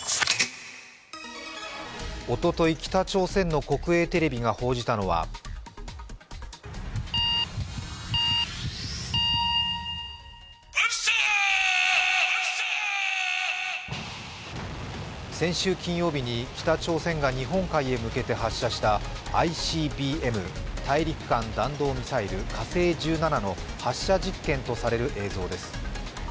おととい、北朝鮮の国営テレビが報じたのは先週金曜日に北朝鮮が日本海へ向けて発射したＩＣＢＭ＝大陸間弾道ミサイル火星１７の発射実験とされる映像です。